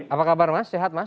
apa kabar mas sehat mas